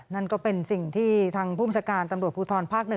นั่นก็เป็นสิ่งที่ทางภูมิชาการตำรวจภูทรภาค๑